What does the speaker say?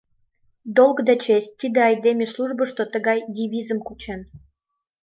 Долг да честь — тиде айдеме службышто тыгай девизым кучен.